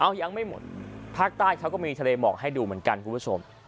เอายังไม่หมดภาคใต้เขาก็มีทะเลหมอกให้ดูเหมือนกันคุณผู้ชม